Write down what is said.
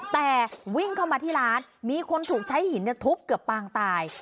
แต่วิ่งเข้ามาที่ร้านมีคนถูกใช้หินทุบเกือบปางตาย